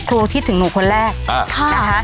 ครูคิดถึงหนูคนแรกนะคะ